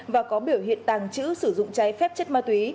và có biểu hiện tàng chữ sử dụng cháy phép chất ma túy